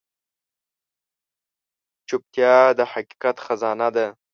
چوپتیا، د حقیقت خزانه ده.